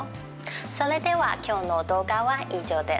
それでは今日の動画は以上です。